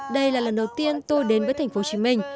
đây là lần đầu tiên tôi đến với thành phố hồ chí minh